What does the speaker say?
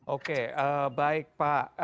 oke baik pak